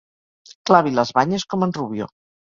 Clavi les banyes com en Rubio.